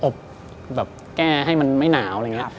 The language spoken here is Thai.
แบบแก้ให้มันไม่หนาวอะไรอย่างนี้